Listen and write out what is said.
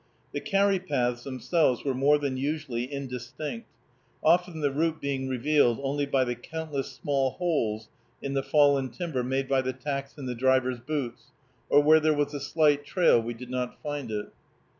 The carry paths themselves were more than usually indistinct, often the route being revealed only by the countless small holes in the fallen timber made by the tacks in the drivers' boots, or where there was a slight trail we did not find it.